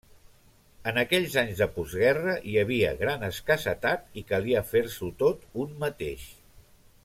En aquells anys de postguerra hi havia gran escassetat i calia fer-s'ho tot un mateix.